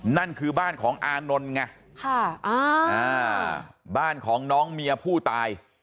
นั่นคือบ้านของอานนท์ไงบ้านของน้องเมียผู้ตาย